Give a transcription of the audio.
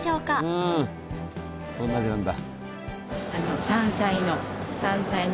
うんどんな味なんだ？